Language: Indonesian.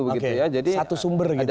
oke satu sumber gitu ya